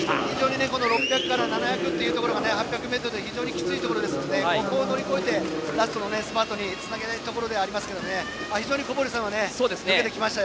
６００から７００は８００ｍでは非常にきついのでここを乗り越えてラストのスパートにつなげたいところですけど非常に小堀さん、抜けてきました。